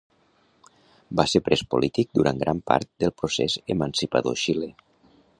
Va ser pres polític durant gran part del procés emancipador xilé.